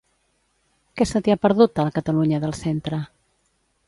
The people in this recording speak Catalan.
Què se t'hi ha perdut, a la Catalunya del Centre?